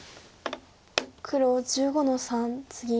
黒１５の三ツギ。